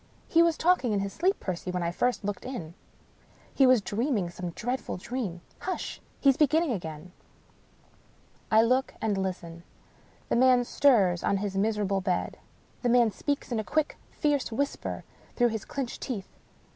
" He was talking in his sleep, Percy, when I first looked in. He was dreaming some dreadful dream. Hush ! he's beginning again." I look and listen. The man stirs on his miserable bed. The man speaks in a quick, fierce whisper through his clinched teeth.